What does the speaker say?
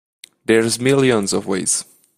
There's millions of ways.